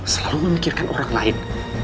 selalu memikirkan orang lain